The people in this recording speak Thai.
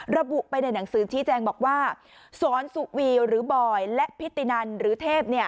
ระบุไปในหนังสือชี้แจงบอกว่าสอนสุวีหรือบอยและพิตินันหรือเทพ